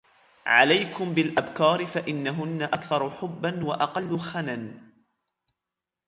عَلَيْكُمْ بِالْأَبْكَارِ فَإِنَّهُنَّ أَكْثَرُ حُبًّا وَأَقَلُّ خَنًا